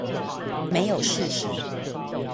沒有事實